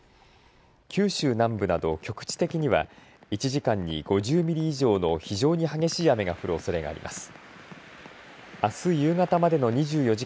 九州南部など局地的には１時間に５０ミリ以上の非常に激しい雨が降るおそれがあります。